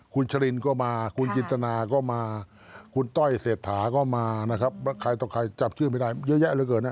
คลายต่อคลายจะไม่ได้เยอะแยะเท่าไหร่